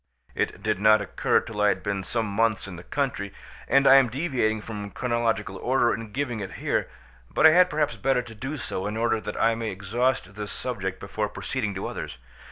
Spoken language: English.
It did not occur till I had been some months in the country, and I am deviating from chronological order in giving it here; but I had perhaps better do so in order that I may exhaust this subject before proceeding to others.